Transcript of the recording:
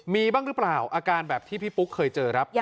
มีบ้างหรือเปล่าอาการแบบที่พี่ปุ๊กเคยเจอครับ